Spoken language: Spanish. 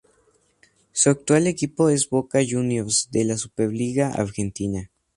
Su actual equipo es Boca Juniors de la Superliga Argentina.